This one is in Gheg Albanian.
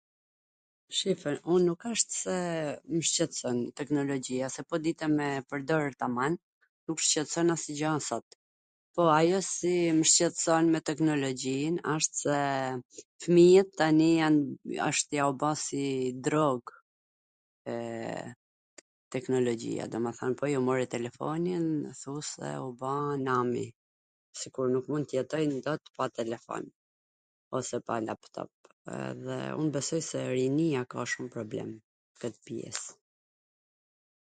Shife, un nuk asht se mw shqetson teknologjia, se po dite me e pwrdor taman, nuk tw shqetson asnjw gja sot. Po ajo si mw shqetson me teknologjin, asht se fwmijwt tani ... asht tue u ba si drog teknologjia tani, po ju more telefonin thu se u bw nami, sikur nuk mund tw jetojn dot pa telefon ose pa laptop. Un besoj se rinia ka shum problem nw kwt pjes.